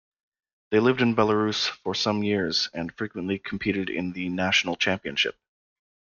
They lived in Belarus for some years and frequently competed in the national championship.